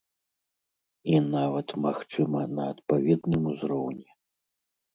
І нават, магчыма, на адпаведным узроўні.